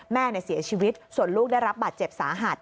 แม่เสียชีวิตส่วนลูกได้รับบาดเจ็บสาหัส